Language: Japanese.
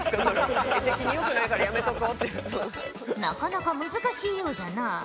なかなか難しいようじゃな。